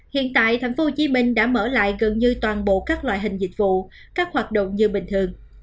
hiện tại tp hcm đã mở lại gần như toàn bộ các loại hình dịch vụ các hoạt động như bình thường